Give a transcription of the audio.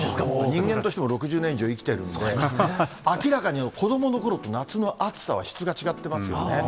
人間としても６０年以上生きてるんで、明らかに子どものころと夏の暑さは質が違ってますよね。